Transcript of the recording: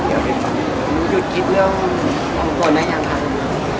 หยุดคิดเรื่องของตัวเองได้ยังไง